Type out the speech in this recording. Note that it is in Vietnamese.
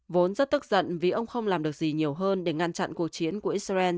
vốn rất tức giận vì ông không làm được gì nhiều hơn để ngăn chặn cuộc chiến của israel